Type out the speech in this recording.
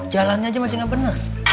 jalannya aja masih nggak benar